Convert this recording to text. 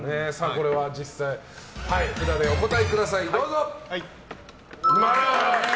これは実際、札でお答えください。